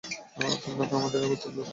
তোমরা তো আমাদেরই গোত্রের লোক।